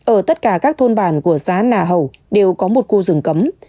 ở tất cả các thôn bản của xá nà hậu đều có một khu rừng cấm